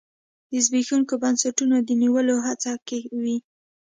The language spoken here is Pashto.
د زبېښونکو بنسټونو د نیولو هڅه کې وي.